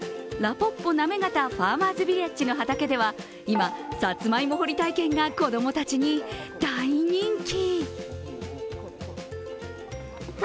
ぽっぽなめがたファーマーズヴィレッジの畑では今、さつまいも掘り体験が子供たちに大人気。